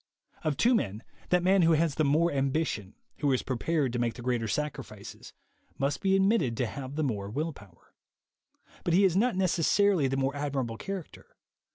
Of two men, that man who has the more ambition, who is prepared to make the greater sacrifices, must be admitted to have the more will power; but he is not necessarily the more admirable character.